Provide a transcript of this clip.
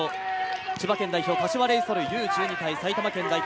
千葉県代表・柏レイソルＵー１２対埼玉県代表